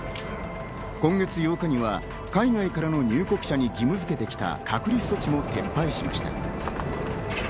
今月８日には海外からの入国者に義務付けてきた隔離措置も撤廃しました。